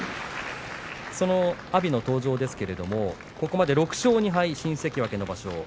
その阿炎の登場ですがここまで６勝２敗、新関脇の場所。